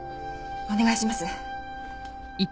お願いします。